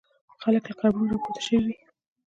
خلک له قبرونو را پورته شوي وي.